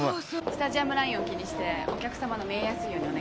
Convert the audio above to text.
スタジアムラインを気にしてお客さまの見えやすいようにお願いね。